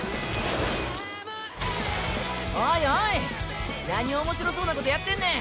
おいおいなに面白そうなことやってんねん。